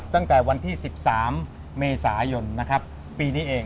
ตั้งแต่วันที่๑๓เมษายนปีนี้เอง